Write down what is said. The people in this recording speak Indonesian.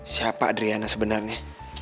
siapa adriana sebenernya